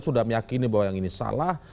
sudah meyakini bahwa yang ini salah